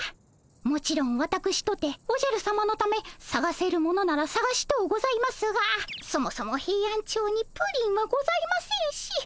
もちろんわたくしとておじゃるさまのためさがせるものならさがしとうございますがそもそもヘイアンチョウにプリンはございませんし。